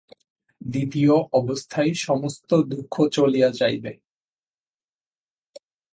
দ্বিতীয় অবস্থায় সমস্ত দুঃখ চলিয়া যাইবে।